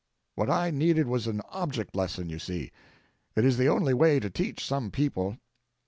What I needed was an object lesson, you see. It is the only way to teach some people.